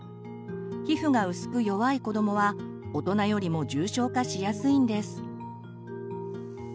皮膚が薄く弱い子どもは大人よりも重症化しやすいんです。